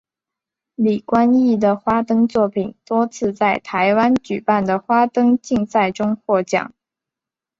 李冠毅的花灯作品多次在台湾举办的花灯竞赛中获奖。